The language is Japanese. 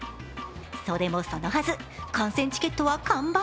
それもそのはず、観戦チケットは完売。